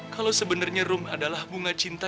kalau sebenarnya room adalah bunga cinta